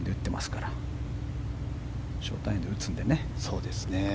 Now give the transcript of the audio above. ショートアイアンで打つのでね。